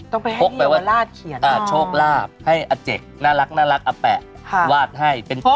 ต้องไปให้เฮียวลาดเขียนอ่าฮกแปะวาดให้เป็นฮก